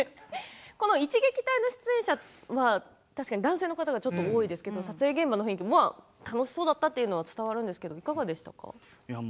この一撃隊の出演者は男性の方がちょっと多いですけど撮影現場の雰囲気、楽しそうだったのは伝わるんですがいかがでしたか？